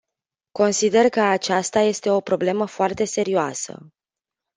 Consider că aceasta este o problemă foarte serioasă.